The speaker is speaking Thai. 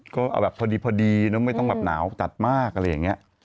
ก็เอาแบบพอดีไม่ต้องแบบหนาวจัดมากอะไรอย่างนี้